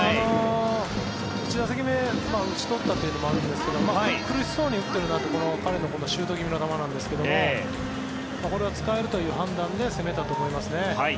１打席目、打ち取ったというのもあるんですが苦しそうに打っているというところ彼のシュート気味の球ですけどこれは使えるという判断で攻めたと思いますね。